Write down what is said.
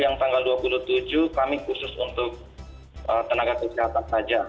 yang tanggal dua puluh tujuh kami khusus untuk tenaga kesehatan saja